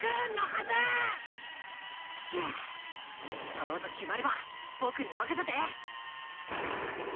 そうと決まれば僕に任せて！